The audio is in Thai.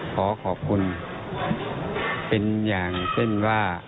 ขอขอบคุณเป็นอย่างเช่นว่า